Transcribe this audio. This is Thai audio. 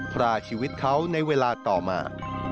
พราชีวิตเขาในเวลาต่อมา